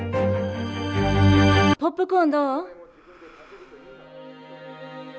ポップコーンどう？